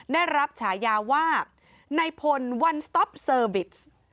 ได้รับฉายาว่าในพลวันสต๊อปเซอร์บิส